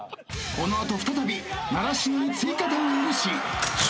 この後再び習志野に追加点を許し笑